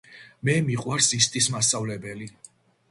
მე მიყვარს ისტის მასწავლებელი.